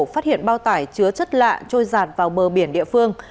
phát hiện bao tải chứa chất lạ trôi giạt vào bờ biển địa phương